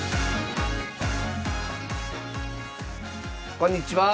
こんにちは。